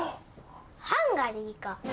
ハンガリーか！